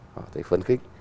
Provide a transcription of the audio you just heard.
họ thấy phấn khích